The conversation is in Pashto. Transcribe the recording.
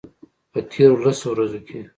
په تیرو لسو ورځو کې